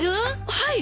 はい。